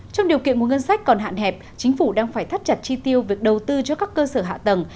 trong điều kiện nguồn ngân sách còn hạn hẹp chính phủ đang phải thắt chặt chi tiêu việc đầu tư cho các cơ sở hạ tầng